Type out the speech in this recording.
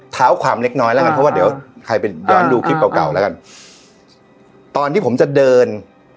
เท้าความเล็กน้อยแล้วกันเพราะว่าเดี๋ยวใครไปย้อนดูคลิปเก่าเก่าแล้วกันตอนที่ผมจะเดิน